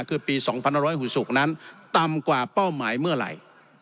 คือปี๒๑๖๖นั้นต่ำกว่าเป้าหมายเมื่อไหร่